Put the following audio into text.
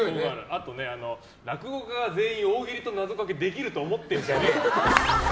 あとね、落語家が全員大喜利と謎かけできると思ってるんじゃねえ！